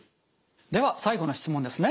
では最後の質問ですね。